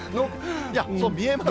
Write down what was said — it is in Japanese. いや、そう見えますね。